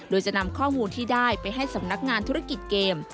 โดยจะนำข้อมูลที่ได้ไปให้สำนักงานธุรกิจเกม